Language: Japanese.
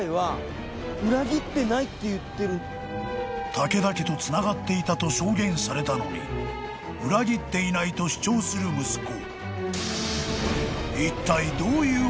［武田家とつながっていたと証言されたのに裏切っていないと主張する息子］